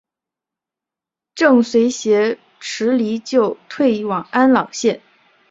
郑绥挟持黎槱退往安朗县。